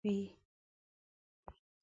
د دې پرتلنې يوه ګټه دا وي.